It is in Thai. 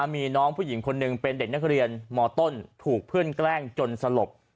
มีน้องผู้หญิงคนหนึ่งเป็นเด็กนักเรียนมต้นถูกเพื่อนแกล้งจนสลบ